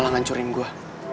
malah ngancurin gue